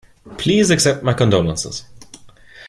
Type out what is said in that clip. Please accept my condolences.